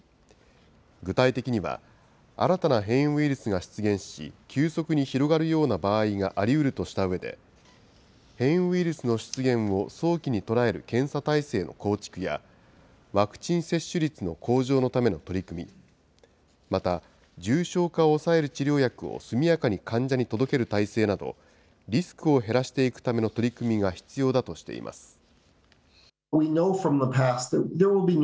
具体的には、新たな変異ウイルスが出現し、急速に広がるような場合がありうるとしたうえで、変異ウイルスの出現を早期に捉える検査態勢の構築や、ワクチン接種率の向上のための取り組み、また重症化を抑える治療薬を速やかに患者に届ける態勢など、リスクを減らしていくための取り組みが必要だとしています。